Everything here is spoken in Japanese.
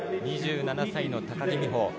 ２７歳の高木美帆。